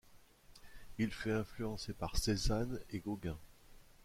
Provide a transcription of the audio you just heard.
Il fut influencé par Cézanne et Gauguin.